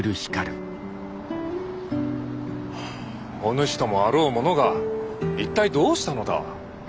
おぬしともあろう者が一体どうしたのだ？